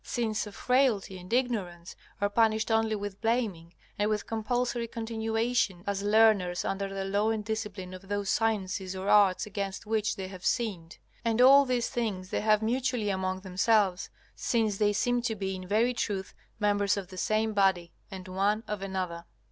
Sins of frailty and ignorance are punished only with blaming, and with compulsory continuation as learners under the law and discipline of those sciences or arts against which they have sinned. And all these things they have mutually among themselves, since they seem to be in very truth members of the same body, and one of another.